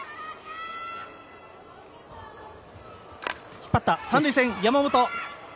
引っ張った、３塁線山本。